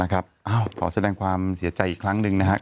ขอแสดงความเสียใจอีกครั้งหนึ่งนะครับ